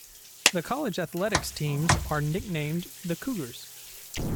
The college athletics teams are nicknamed the Cougars.